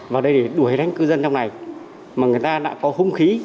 vào đây để đuổi đánh cư dân trong này mà người ta đã có hung khí